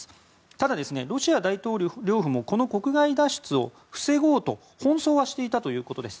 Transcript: ただ、ロシア大統領府もこの国外脱出を防ごうと奔走はしていたということです。